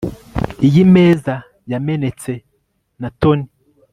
Iyi meza yamenetse na Tony